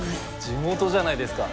地元じゃないですか。